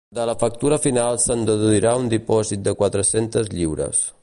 De la factura final se'n deduirà un dipòsit de quatre-centes lliures.